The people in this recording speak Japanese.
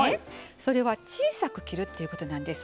それは小さく切るっていうことなんです。